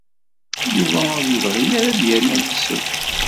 Yuba ur yebɣi ara ad yernu ad isew.